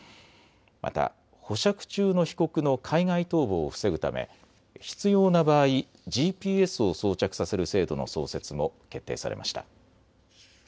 また保釈中の被告の海外逃亡を防ぐため必要な場合、ＧＰＳを装着させる制度の創設も決定されました。